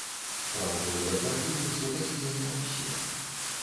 Праўда, удакладніў, што такія не ўсе.